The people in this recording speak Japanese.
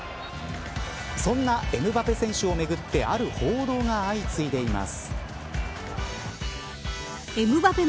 そんなエムバペ選手をめぐってある報道が相次いでいます。